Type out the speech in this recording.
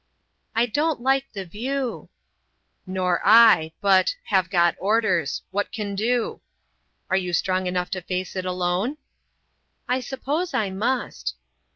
"I don't like the view." "Nor I. But—have got orders: what can do? Are you strong enough to face it alone?" "I suppose I must."